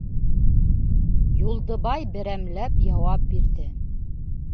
Юлдыбай берәмләп яуап бирҙе.